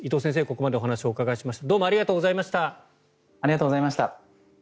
ここまでお話お伺いしました。